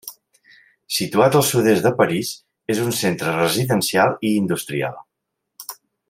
Situat al sud-est de París, és un centre residencial i industrial.